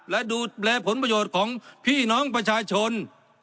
และดูแลผลประโยชน์ของพี่น้องประชาชน